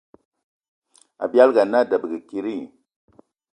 Abialga ana a debege kidi?